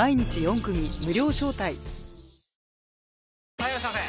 ・はいいらっしゃいませ！